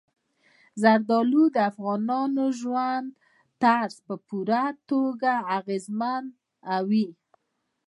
زردالو د افغانانو د ژوند طرز په پوره توګه اغېزمنوي.